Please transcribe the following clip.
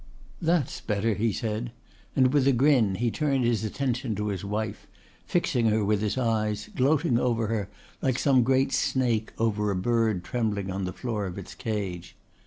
"That's better," he said, and with a grin he turned his attention to his wife, fixing her with his eyes, gloating over her like some great snake over a bird trembling on the floor of its cage.